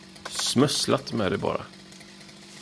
Smussla inte med det, bara.